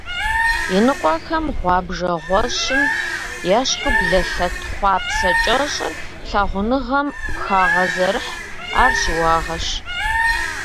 Иныкъуэхэм гъуэбжэгъуэщым ещхьу блэлъэт хъуапсэ кӀэщӀыр лъагъуныгъэм хагъэзэрыхь, ар щыуагъэщ.